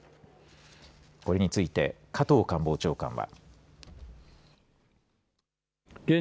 これについて加藤官房長官は。